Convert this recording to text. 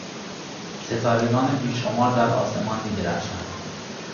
ستارگان بیشمار در آسمان میدرخشند.